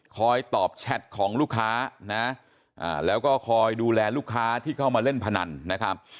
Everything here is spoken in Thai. คอยตอบแชทของลูกค้านะแล้วก็คอยดูแลลูกค้าที่เข้ามาเล่นพนันนะครับ